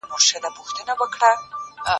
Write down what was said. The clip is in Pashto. چي هر څوک به ور نیژدې سو دې وهل کړل